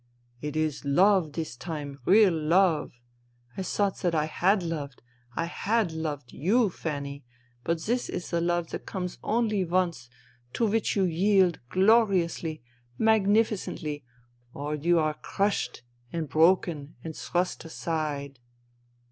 ...'"' It is love, this time, real love. I thought that I had loved, I had loved, you, Fanny, but this is the love that comes once only, to which you yield gloriously, magnificently, or you are crushed and broken and thrust aside.